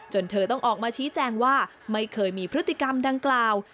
เธอต้องออกมาชี้แจงว่าไม่เคยมีพฤติกรรมดังกล่าว